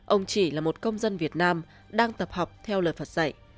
ông chỉ là một công dân việt nam đang tập học theo lời phật dạy